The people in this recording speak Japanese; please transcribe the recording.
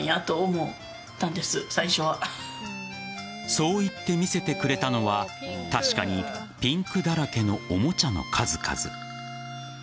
そう言って見せてくれたのは確かに、ピンクだらけのおもちゃの数々。